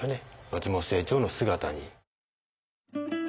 松本清張の姿に。